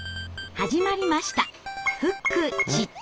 始まりました